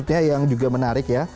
yang menarik ya